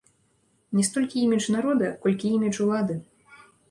Не столькі імідж народа, колькі імідж улады.